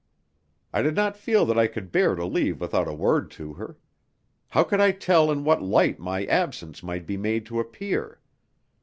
I did not feel that I could bear to leave without a word to her. How could I tell in what light my absence might be made to appear?